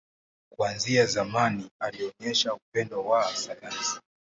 Kuanzia zamani, alionyesha upendo wa sayansi.